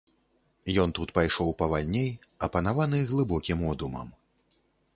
Ён тут пайшоў павальней, апанаваны глыбокім одумам.